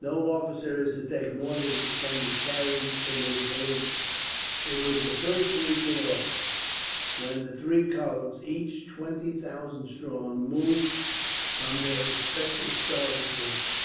No officer is to take more than can be carried in his valises." It was the first week in August when the three columns, each twenty thousand strong, moved from their respective starting points.